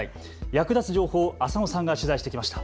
役立つ情報を浅野さんが取材してきました。